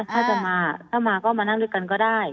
ถ้าจะมาถ้ามาก็มานั่งด้วยกันก็ได้